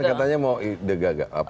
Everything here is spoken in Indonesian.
katanya mau ide gagasan